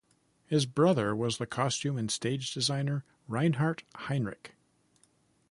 His brother was the costume and stage designer Reinhard Heinrich.